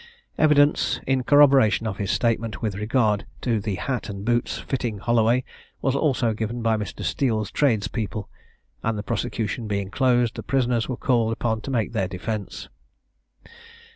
Evidence, in corroboration of his statement, with regard to the hat and boots fitting Holloway, was also given by Mr. Steele's tradespeople, and the prosecution being closed, the prisoners were called upon to make their defence.